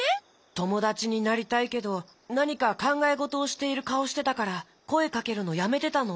ともだちになりたいけどなにかかんがえごとをしているかおしてたからこえかけるのやめてたの。